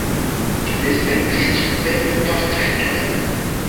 Li pentris ĉefe portretojn.